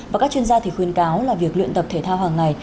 và các chuyên gia thì khuyên cáo là việc luyện tập thể thao hàng ngày